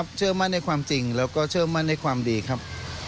ฝันว่าตัดผมครับ